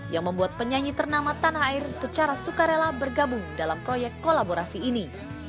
yang membuat penyanyi ternama tanah air secara sukarela bergabung dalam proyek kolaborasi ini